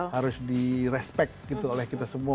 harus di respect gitu oleh kita semua